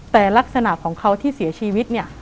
แต่ลักษณะของเขาที่เสียชีวิตเนี่ย